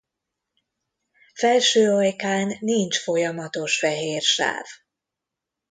Felső ajkán nincs folyamatos fehér sáv.